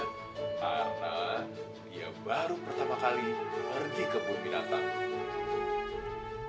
karena dia baru pertama kali pergi kebun binatang